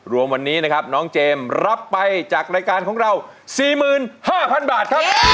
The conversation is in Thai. รวมวันนี้น้องเจมส์รับไปจากรายการของเรา๔๕๐๐๐บาท